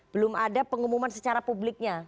belum ada pengumuman secara publiknya